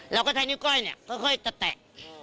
แล้วก็แท่นิ้วก้อยก็ค่อยตะแตะ